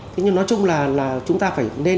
thế nhưng nói chung là chúng ta phải